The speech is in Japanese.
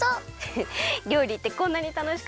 りょうりってこんなにたのしかったんだね！